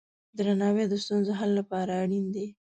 درناوی د ستونزو حل لپاره اړین دی.